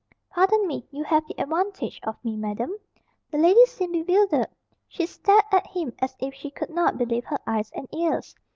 "Pardon me, you have the advantage of me, Madame." The lady seemed bewildered. She stared at him as if she could not believe her eyes and ears.